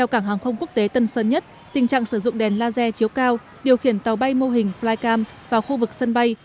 cảng hàng không quốc tế tân sơn nhất tình trạng sử dụng đèn laser chiếu cao điều khiển tàu bay mô hình flycam vào khu vực sân bay